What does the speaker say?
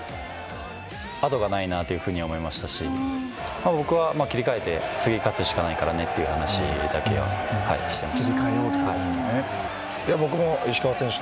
あとがないなというふうには思いましたし、僕は切り替えて、次勝つしかないからねっていう話はしてました。